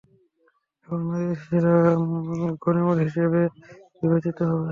এবং নারী ও শিশুরা গণিমত হিসেবে বিবেচিত হবে।